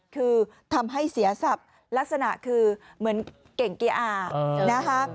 คือทำให้เสียทรัพย์ลักษณะคือเหมือนเก่งเกียร์อานะคะ